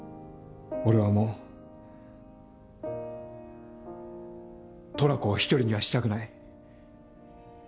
俺はもうトラコを一人にはしたくない。